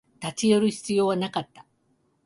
立ち寄る必要はなかった